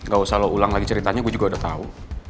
gak usah lo ulang lagi ceritanya gue juga udah tahu